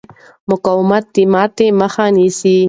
مقاومت د ماتې مخه نیسي.